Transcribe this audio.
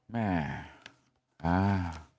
แม่อ่า